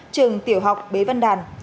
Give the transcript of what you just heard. trường tiểu học bế văn đàn